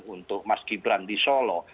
untuk mas gibran di solo